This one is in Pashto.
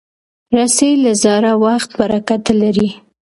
رسۍ له زاړه وخت برکته لري.